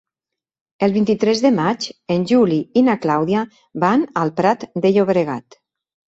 El vint-i-tres de maig en Juli i na Clàudia van al Prat de Llobregat.